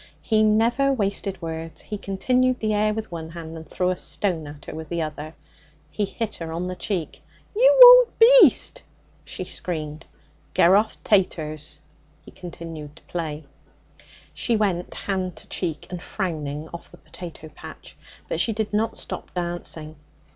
He never wasted words. He continued the air with one hand and threw a stone at her with the other. He hit her on the cheek. 'You wold beast!' she screamed. 'Gerroff taters!' He continued to play. She went, hand to cheek, and frowning, off the potato patch. But she did not stop dancing.